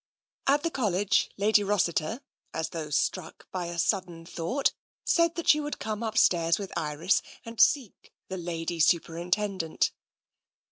At the College, Lady Rossiter, as though struck by a sudden thought, said that she would come upstairs with Iris and seek the Lady Superintendent.